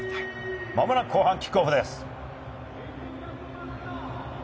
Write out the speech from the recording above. まもなく後半キックオフです。